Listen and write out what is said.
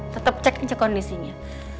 tetap cek kondisinya